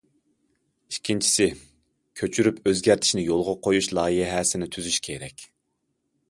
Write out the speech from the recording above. ئىككىنچىسى، كۆچۈرۈپ ئۆزگەرتىشنى يولغا قويۇش لايىھەسىنى تۈزۈش كېرەك.